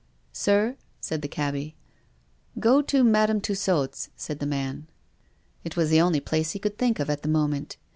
" Sir ?" said the cabby. " Go to Madame Tussaud's," said the man. It was the only place he could think of at the moment.